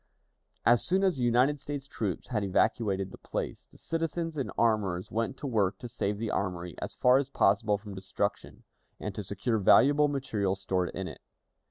As soon as the United States troops had evacuated the place, the citizens and armorers went to work to save the armory as far as possible from destruction, and to secure valuable material stored in it.